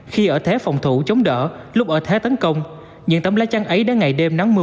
khi ở thế phòng thủ chống đỡ lúc ở thế tấn công những tấm lá chăn ấy đã ngày đêm nắng mưa